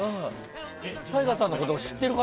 ＴＡＩＧＡさんのことを知ってる方？